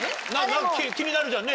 気になるじゃんね。